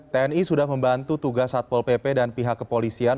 tni sudah membantu tugas satpol pp dan pihak kepolisian